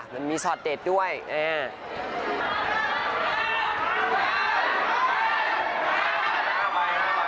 มันมีช็อตเด็ดด้วยเออ